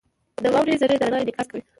• د واورې ذرې د رڼا انعکاس کوي.